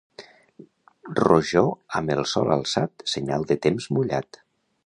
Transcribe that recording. Rojor amb el sol alçat, senyal de temps mullat.